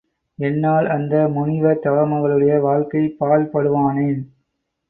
என்னால் அந்த முனிவர்தவமகளுடைய வாழ்க்கை பாழ்படுவானேன்?